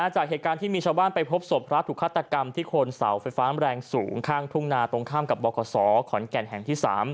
จากเหตุการณ์ที่มีชาวบ้านไปพบศพพระถูกฆาตกรรมที่โคนเสาไฟฟ้าแรงสูงข้างทุ่งนาตรงข้ามกับบขขอนแก่นแห่งที่๓